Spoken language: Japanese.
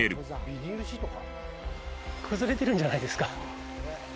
本岡さん：崩れてるんじゃないですか？